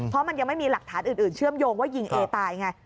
เพราะมันยังไม่มีหลักฐานอื่นเชื่อมโยงว่ายิงเอตายไง